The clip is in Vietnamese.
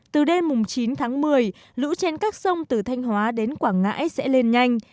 từ đêm chín tháng một mươi lũ trên các sông từ thanh hóa đến quảng ngãi sẽ lên nhanh